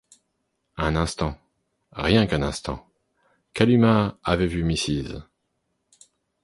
Un instant, rien qu’un instant, Kalumah avait vu Mrs.